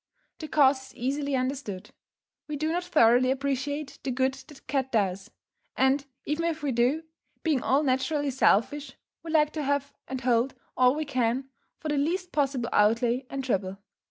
The cause is easily understood: we do not thoroughly appreciate the good the cat does, and, even if we do, being all naturally selfish, we like to have and hold all we can, for the least possible outlay and trouble.